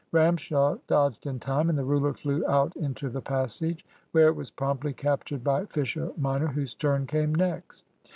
Ramshaw dodged in time, and the ruler flew out into the passage, where it was promptly captured by Fisher minor, whose turn came next.